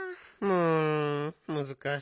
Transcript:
うん？